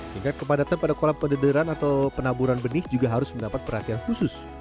tingkat kepadatan pada kolam pendederan atau penaburan benih juga harus mendapat perhatian khusus